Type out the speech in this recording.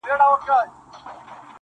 صندان د محبت دي په هر واري مخته راسي.